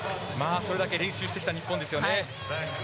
それだけ練習してきた日本ですよね。